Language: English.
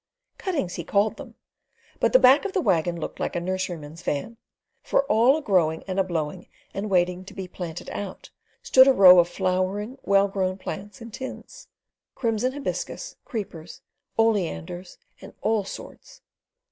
Cuttings he called them, but the back of the waggon looked like a nurseryman's van; for all a growing and a blowing and waiting to be planted out, stood a row of flowering, well grown plants in tins: crimson hibiscus, creepers, oleanders, and all sorts.